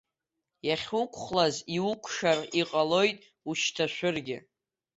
Иахьуқәхәлаз иуқәшар, иҟалоит ушьҭашәыргьы.